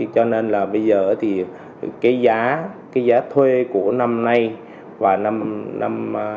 cho nên là bây giờ thì cái giá thuê của năm nay và năm